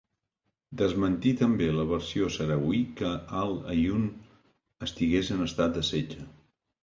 Desmentí també la versió sahrauí que Al-Aaiun estigués en estat de setge.